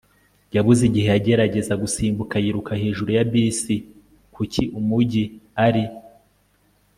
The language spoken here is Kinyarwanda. yabuze igihe yagerageza gusimbuka yiruka hejuru ya bisi. 'kuki umujyi ari